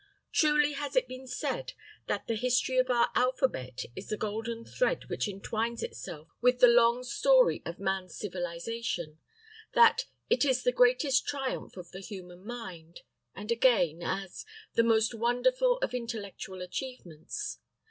Truly has it been said that "The history of our alphabet is the golden thread which entwines itself with the long story of man's civilization;" that "It is the greatest triumph of the human mind;" and again, as "The most wonderful of intellectual achievements."